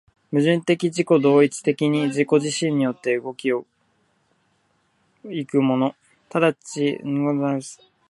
矛盾的自己同一的に自己自身によって動き行くもの、即ち真に具体的なるものが、論理的に真なるものである。